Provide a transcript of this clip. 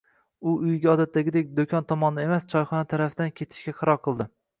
U uyiga odatdagidek do‘kon tomondan emas, choyxona tarafdan ketishga qaror qildi